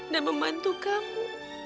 dan membantu kamu